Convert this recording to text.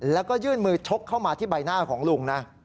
แล้วก็ยื่นมือชกเข้ามาที่ใบหน้าของลุงนะ